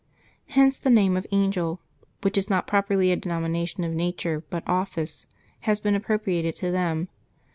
Hence the name of Angel (which is not properly a denomination of nature, but* office) has been appropriated to them.